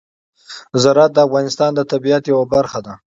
زراعت د افغانستان د طبیعت یوه برخه ده.